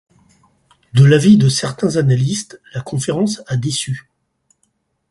De l'avis de certains analystes, la conférence a déçu.